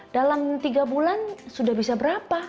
dalam tiga bulan sudah bisa berapa